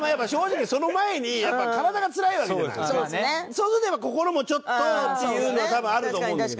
そうすると心もちょっとっていうのは多分あると思うんだけど。